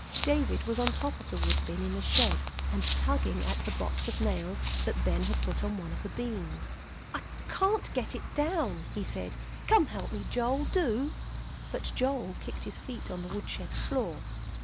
David was up on top of the wood bin in the shed, and tugging at the box of nails that Ben had put on one of the beams. "I can't get it down," he said. "Come help me, Joel, do." But Joel kicked his feet on the woodshed floor.